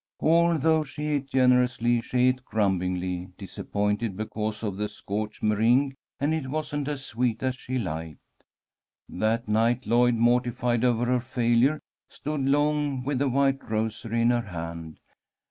Although she ate generously, she ate grumblingly, disappointed because of the scorched meringue, and it wasn't as sweet as she liked. That night, Lloyd, mortified over her failure, stood long with the white rosary in her hand.